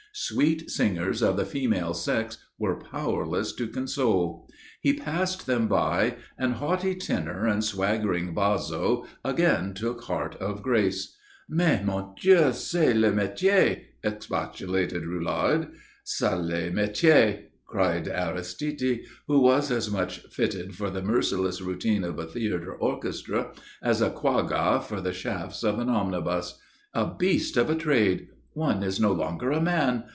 Sweet singers of the female sex were powerless to console. He passed them by, and haughty tenor and swaggering basso again took heart of grace. "Mais, mon Dieu, c'est le métier!" expostulated Roulard. "Sale métier!" cried Aristide, who was as much fitted for the merciless routine of a theatre orchestra as a quagga for the shafts of an omnibus. "A beast of a trade! One is no longer a man.